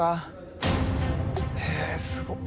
へえすごっ。